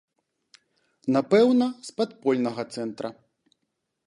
Напэўна, з падпольнага цэнтра.